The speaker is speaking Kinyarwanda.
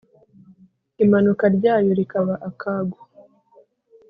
Imanuka ryayo rikaba akago